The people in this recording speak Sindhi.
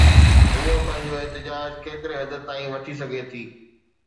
هوءَ پنهنجو احتجاج ڪيتري حد تائين وٺي سگهي ٿي؟